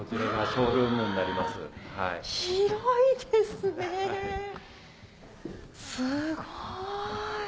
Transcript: すごい。